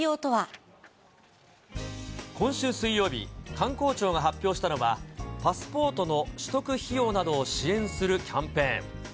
今週水曜日、観光庁が発表したのは、パスポートの取得費用などを支援するキャンペーン。